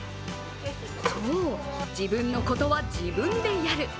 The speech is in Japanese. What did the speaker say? そう、自分のことは自分でやる。